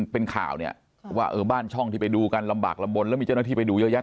เป็นข่าวเนี่ยว่าเออบ้านช่องที่ไปดูกันลำบากลำบลแล้วมีเจ้าหน้าที่ไปดูเยอะแยะ